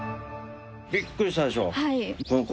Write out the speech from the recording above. びっくりしたでしょ。